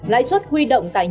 lãi suất huy động tại nhà